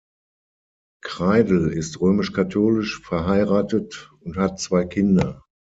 Kreidl ist römisch-katholisch, verheiratet und hat zwei Kinder.